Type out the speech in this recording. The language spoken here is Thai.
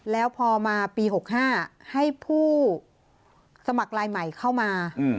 แล้วพอมาปี๖๕ให้ผู้สมัครลายใหม่เข้ามา